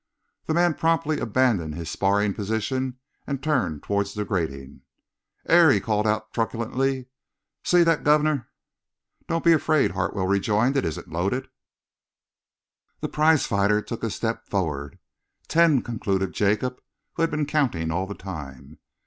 The man promptly abandoned his sparring position and turned towards the grating. "'Ere," he called out truculently, "see that, guv'nor?" "Don't be afraid," Hartwell rejoined. "It isn't loaded." The prize fighter took a step forward. "... ten," concluded Jacob, who had been counting all the time.